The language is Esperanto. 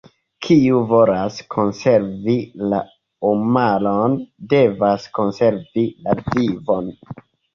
Kiu volas konservi la homaron, devas konservi la vivon.